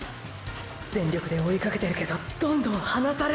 全力で追いかけてるけどどんどん離される！！